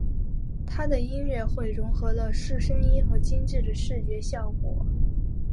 他的音乐会融合了四声音和精致的视觉效果。